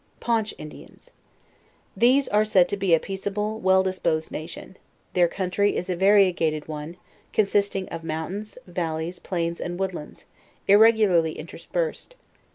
PAUNCH INDIANS. These are said to be a peaceable, well disposed nation. Their country is a variegated one, consist ing of mountains, valleys, plains, and woodlands, irregularly interspersed.